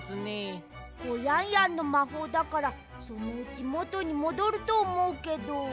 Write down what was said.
コヤンヤンのまほうだからそのうちもとにもどるとおもうけど。